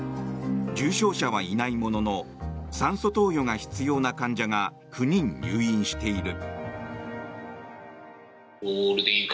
重症者はいないものの酸素投与が必要な患者が９人入院している。